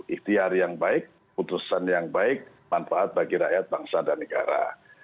ikhtiar yang baik putusan yang baik manfaat bagi rakyat bangsa dan negara